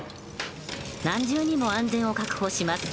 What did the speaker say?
何重にも安全を確保します。